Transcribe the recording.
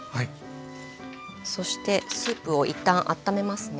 そしてスープを一旦あっためますね。